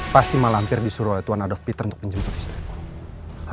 pasti mak lampir disuruh oleh tuan adolf peter untuk menjemput istriku